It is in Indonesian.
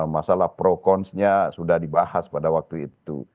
masalah pro konsnya sudah dibahas pada waktu itu